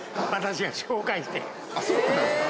あっそうなんですか？